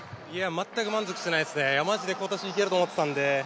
全く満足してないですね、マジで今年いけると思ってたんで。